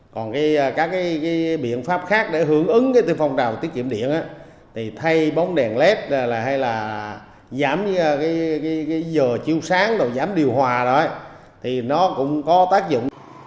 còn cái biện pháp khác để hưởng ứng cái tiêu thụ tiết kiệm điện thì thay bóng đèn led hay là giảm cái giờ chiều sáng rồi giảm điều hòa rồi thì nó cũng có tác dụng